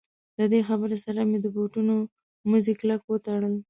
له دې خبرې سره مې د بوټونو مزي کلک وتړل.